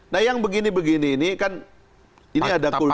nah yang begini begini ini